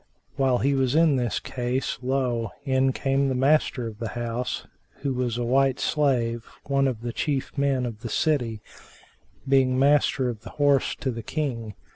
While he was in this case, lo! in came the master of the house, who was a white slave, one of the chief men of the city, being Master of the Horse[FN#388] to the King.